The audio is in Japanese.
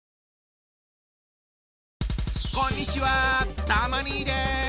こんにちはたま兄です。